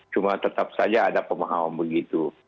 cuma tetap saja ada pemahaman begitu